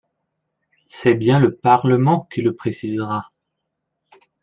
C’est bien le Parlement qui le précisera.